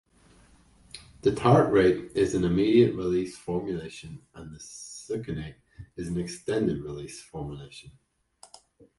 The tartrate is an immediate-release formulation and the succinate is an extended-release formulation.